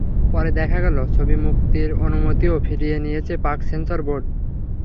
পরে দেখা গেল, ছবি মুক্তির অনুমতিও ফিরিয়ে নিয়েছে পাক সেন্সর বোর্ড।